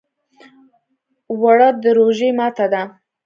اوړه د روژې ماته ده